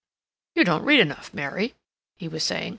"You don't read enough, Mary," he was saying.